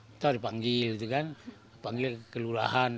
kita dipanggil dipanggil kelurahan